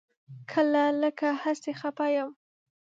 کله لکه هسې خپه یم.